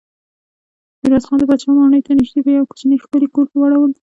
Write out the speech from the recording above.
ميرويس خان د پاچا ماڼۍ ته نږدې په يوه کوچيني ښکلي کور کې واړول.